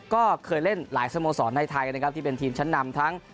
ก็เคยเล่นหลายสโมสรในไทยนะครับที่เป็นทีมชั้นนำทั้ง